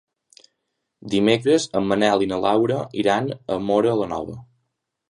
Dimecres en Manel i na Laura iran a Móra la Nova.